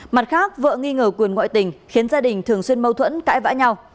mặt khác vợ nghi ngờ quyền ngoại tình khiến gia đình thường xuyên mâu thuẫn cãi vã nhau